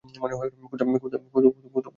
কোথায় আমার মেয়ে?